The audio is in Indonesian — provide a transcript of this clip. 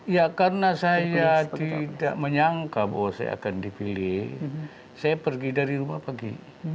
ya karena saya tidak menyangka bahwa saya akan dipilih saya pergi dari rumah pagi